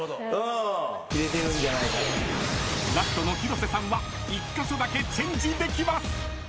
［ラストの広瀬さんは１カ所だけチェンジできます］